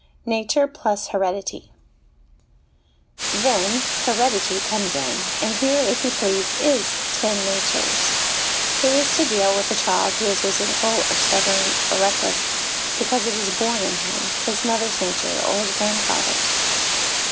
Nature plus Heredity. Then, heredity comes in, and here, if you please, is ten natures : who is to deal with the child who is resentful, or stubborn, or reck 102 HOME EDUCATION less, because it is born in him, his mother's nature or his grandfather's?